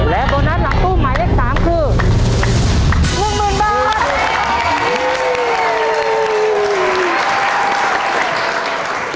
แล้วโบนัสหลังตู้หมายเลข๓คือมุ่งหมื่นบาท